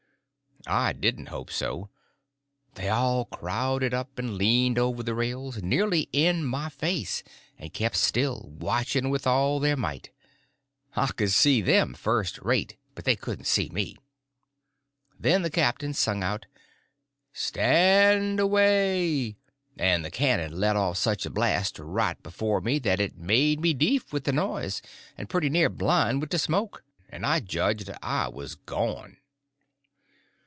I didn't hope so. They all crowded up and leaned over the rails, nearly in my face, and kept still, watching with all their might. I could see them first rate, but they couldn't see me. Then the captain sung out: "Stand away!" and the cannon let off such a blast right before me that it made me deef with the noise and pretty near blind with the smoke, and I judged I was gone.